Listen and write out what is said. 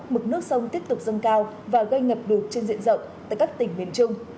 mực nước sông tiếp tục dâng cao và gây ngập lụt trên diện rộng tại các tỉnh miền trung